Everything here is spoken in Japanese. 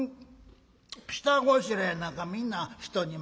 下ごしらえなんかみんな人に任せて